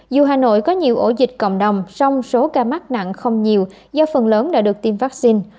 dù hà nội có nhiều ổ dịch cộng đồng song số ca mắc nặng không nhiều do phần lớn đã được tiêm vaccine